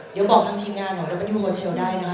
เดี๋ยวก็บอกทั้งทีมงานเลยแล้วพี่พูดอยู่โฮเซลได้นะคะ